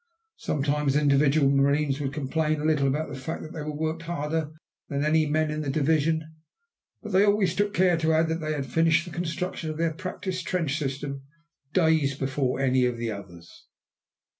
Sometimes individual marines would complain a little about the fact that they were worked harder than any men in the division, but they always took care to add that they had finished the construction of their practice trench system days before any of the others.